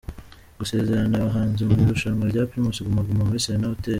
Gusezerera abahanzi mu irushanwa rya Primus Guma Guma muri Serena Hotel.